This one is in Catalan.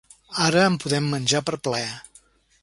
Ara en podem menjar per plaer.